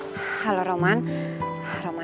alhamdulillah kalau gulan udah pulang sampai ke rumah